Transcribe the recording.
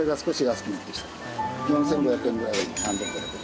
４５００円ぐらいが３５００円。